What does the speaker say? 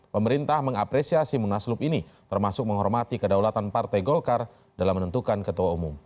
pemerintah mengapresiasi munaslup ini termasuk menghormati kedaulatan partai golkar dalam menentukan ketua umum